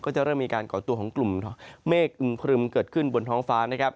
จะเริ่มมีการก่อตัวของกลุ่มเมฆอึมพรึมเกิดขึ้นบนท้องฟ้านะครับ